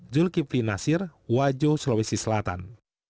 zulkifli nasir wajo sulawesi selatan